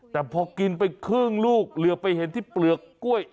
แต่พอกินไปครึ่งลูกเหลือไปเห็นที่เปลือกกล้วย